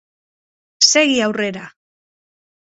Segi aurrera.